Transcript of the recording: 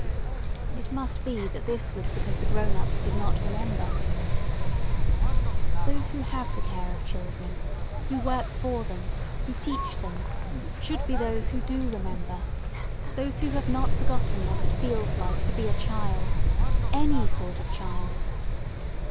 It must be that this was because the grown ups did not remember. Those who have the care of children, who work for them, who teach them, should be those who do remember: those who have not forgotten what it feels like to be a child any sort of child.